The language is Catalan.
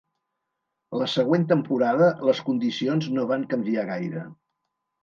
La següent temporada les condicions no van canviar gaire.